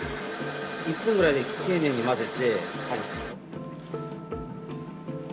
１分ぐらいで丁寧に混ぜて。